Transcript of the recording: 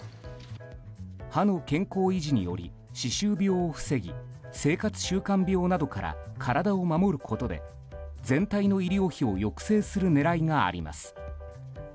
歯の健康維持により歯周病を防ぎ生活習慣病などから体を守ることで全体の医療費を抑制する狙いがあります。